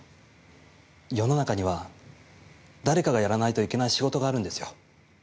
世の中には誰かがやらないといけない仕事があるんですよ。